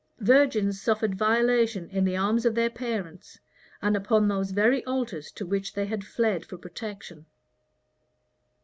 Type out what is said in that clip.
Virgins suffered violation in the arms of their parents, and upon those very altars to which they had fled for protection.